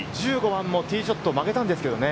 １５番もティーショットを曲げたんですけどね。